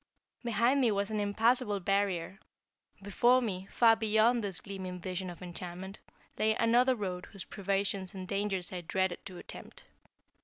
Behind me was an impassable barrier. Before me, far beyond this gleaming vision of enchantment, lay another road whose privations and dangers I dreaded to attempt.